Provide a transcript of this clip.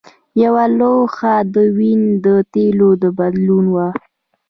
یوه لوحه د وین د تیلو د بدلون وه